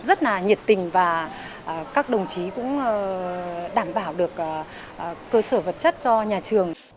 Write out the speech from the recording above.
rất là nhiệt tình và các đồng chí cũng đảm bảo được cơ sở vật chất cho nhà trường